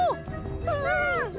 うん！